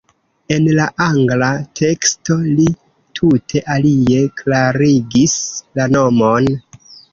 En la angla teksto li tute alie klarigis la nomon.